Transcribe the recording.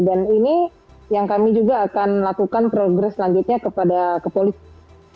dan ini yang kami juga akan lakukan progres selanjutnya kepada kepolisian